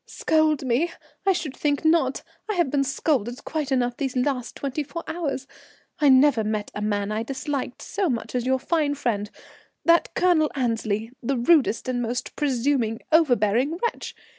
"Scold me! I should think not! I have been scolded quite enough these last twenty four hours. I never met a man I disliked so much as your fine friend, that Colonel Annesley, the rudest, most presuming, overbearing wretch.